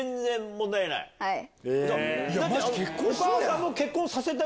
はい。